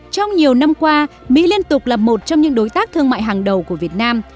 trong nhiều năm qua mỹ liên tục là một trong những đối tác thương mại hàng đầu của việt nam